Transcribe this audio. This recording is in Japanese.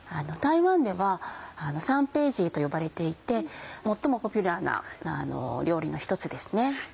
台湾では三杯鶏と呼ばれていて最もポピュラーな料理の一つですね。